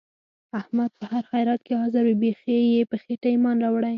احمد په هر خیرات کې حاضر وي. بیخي یې په خېټه ایمان راوړی.